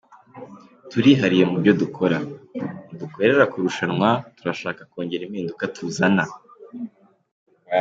Turihariye mu byo dukora; ntidukorera kurushanwa, turashaka kongera impinduka tuzana.